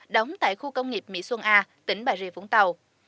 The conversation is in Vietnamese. đóng tại khu công nghiệp mỹ xuân a tỉnh bà rịa vũng tàu